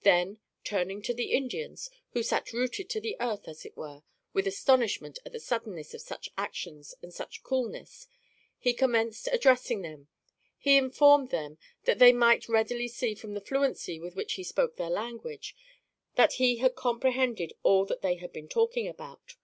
Then, turning to the Indians, who sat rooted to the earth, as it were, with astonishment at the suddenness of such actions and such coolness, he commenced addressing them. He informed them "that they might readily see from the fluency with which he spoke their language, that he had comprehended all that they had been talking about.